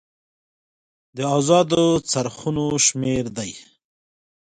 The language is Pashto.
د ازادو څرخونو شمیر دی.